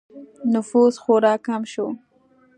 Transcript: نفوس خورا کم شو